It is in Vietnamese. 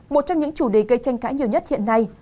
một trong những chủ đề gây tranh cãi nhiều nhất hiện nay